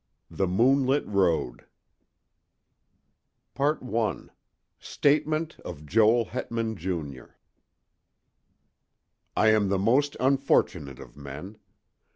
THE MOONLIT ROAD I STATEMENT OF JOEL HETMAN, JR. I AM the most unfortunate of men.